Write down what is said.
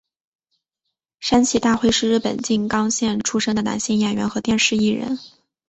山崎大辉是日本静冈县出生的男性演员和电视艺人。